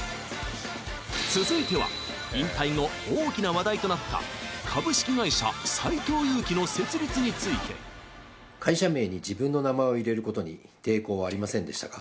続いては引退後大きな話題となった株式会社斎藤佑樹の設立について会社名に自分の名前を入れることに抵抗はありませんでしたか？